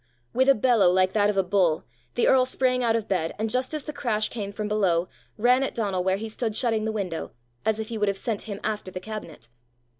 With a bellow like that of a bull, the earl sprang out of bed, and just as the crash came from below, ran at Donal where he stood shutting the window, as if he would have sent him after the cabinet.